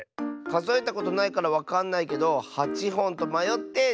かぞえたことないからわかんないけど８ほんとまよって１４